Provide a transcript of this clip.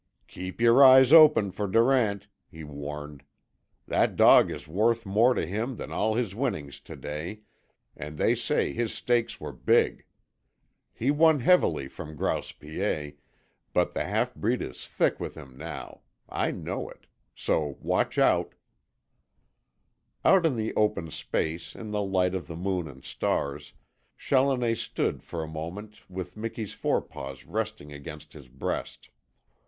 "Keep your eyes open for Durant," he warned. "That dog is worth more to him than all his winnings to day, and they say his stakes were big. He won heavily from Grouse Piet, but the halfbreed is thick with him now. I know it. So watch out." Out in the open space, in the light of the moon and stars, Challoner stood far a moment with Miki's forepaws resting against his breast.